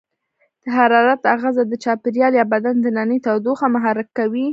د حرارت آخذه د چاپیریال یا بدن دننۍ تودوخه محرک کوي.